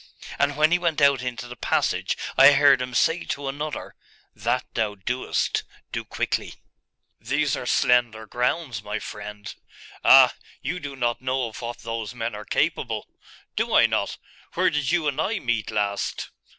And when he went out into the passage I heard him say to another, "That thou doest, do quickly!...."' 'These are slender grounds, my friend.' 'Ah, you do not know of what those men are capable!' 'Do I not? Where did you and I meet last?